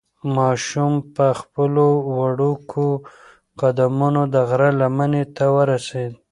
ماشوم په خپلو وړوکو قدمونو د غره لمنې ته ورسېد.